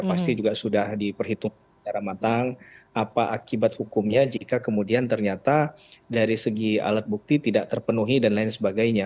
pasti juga sudah diperhitung secara matang apa akibat hukumnya jika kemudian ternyata dari segi alat bukti tidak terpenuhi dan lain sebagainya